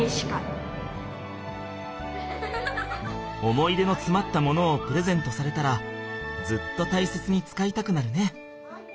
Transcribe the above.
思い出のつまったものをプレゼントされたらずっと大切に使いたくなるね。